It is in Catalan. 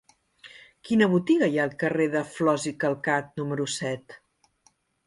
Quina botiga hi ha al carrer de Flos i Calcat número set?